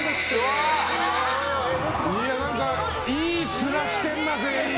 何か、いい面してんな、全員。